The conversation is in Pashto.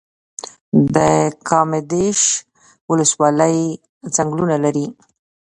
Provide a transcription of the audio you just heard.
د کامدیش ولسوالۍ ځنګلونه لري